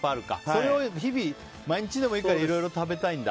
それを日々、毎日でもいいからいろいろ食べたいんだ。